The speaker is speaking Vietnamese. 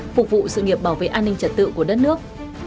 phục vụ sự nghiệp bảo vệ an ninh trật tự của đất nước